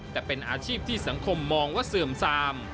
แต่เป็นอาชีพที่สังคมมองว่าเสื่อมซาม